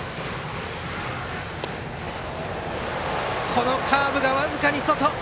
あのカーブが僅かに外。